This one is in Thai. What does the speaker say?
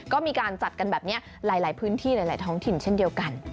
ก็มีการจัดกันแบบนี้หลายพื้นที่หลายท้องถิ่นเช่นเดียวกัน